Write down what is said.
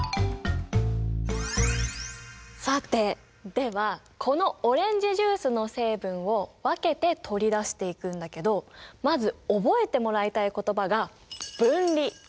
さてではこのオレンジジュースの成分を分けて取り出していくんだけどまず覚えてもらいたい言葉が「分離」。